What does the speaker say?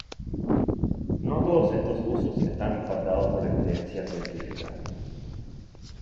No todos estos usos están respaldados por la evidencia científica.